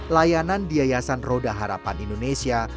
layanan di yayasan roda harapan indonesia